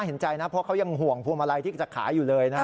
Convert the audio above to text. ก็สงสัยคนขายภั่วบรรลัย